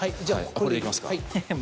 これでいきますか。